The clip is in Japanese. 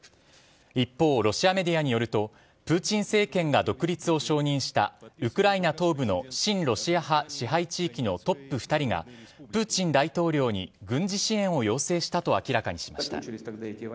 一方、ロシアメディアによるとプーチン政権が独立を承認したウクライナ東部の親ロシア派支配地域のトップ２人がプーチン大統領に軍事支援を要請したと明らかにしました。